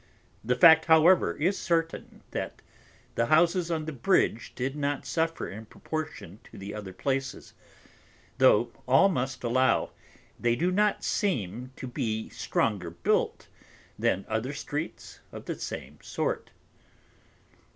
The Fact however is certain, that the Houses on the Bridge did not suffer in Proportion to the other Places; though all must allow, they do not seem to be stronger built, than other Streets of the same sort.